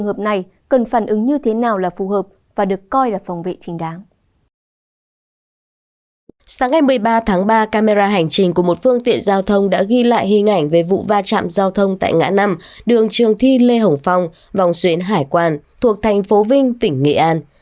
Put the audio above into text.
sáng ngày một mươi ba tháng ba camera hành trình của một phương tiện giao thông đã ghi lại hình ảnh về vụ va chạm giao thông tại ngã năm đường trường thi lê hồng phong vòng xuyến hải quan thuộc thành phố vinh tỉnh nghệ an